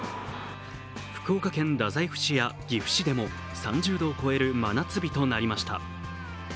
福岡県太宰府市や岐阜市でも３０度を超える真夏日となりました。